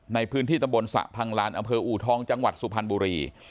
ในพื้นที่ตำบลสระพังลานอำเภออูทองจังหวัดสุพรรณบุรี